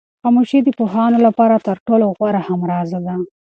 خاموشي د پوهانو لپاره تر ټولو غوره همراز ده.